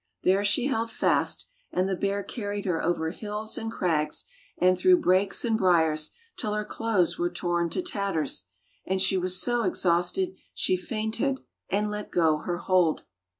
There she held fast, and the bear carried her over hills and crags, and through brakes and briers till her clothes were torn to tatters, and she was so ex hausted she fainted and let go her hold.